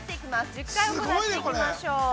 １０回行っていきましょう。